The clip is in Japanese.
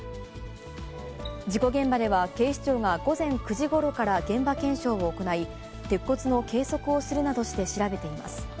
事故現場では、警視庁が午前９時ごろから現場検証を行い、鉄骨の計測をするなどして調べています。